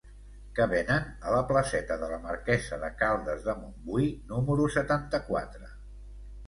Què venen a la placeta de la Marquesa de Caldes de Montbui número setanta-quatre?